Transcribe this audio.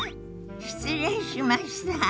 失礼しました。